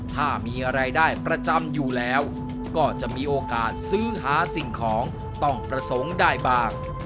ถ้ามีรายได้ประจำอยู่แล้วก็จะมีโอกาสซื้อหาสิ่งของต้องประสงค์ได้บ้าง